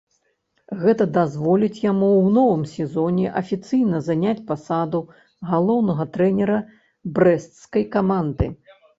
Гэта дазволіць яму ў новым сезоне афіцыйна заняць пасаду галоўнага трэнера брэсцкай каманды.